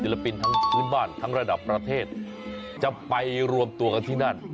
ปินทั้งพื้นบ้านทั้งระดับประเทศจะไปรวมตัวกันที่นั่น